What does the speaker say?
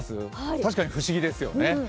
確かに不思議ですよね。